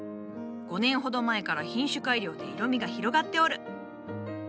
５年ほど前から品種改良で色みが広がっておる。